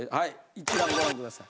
一覧ご覧ください。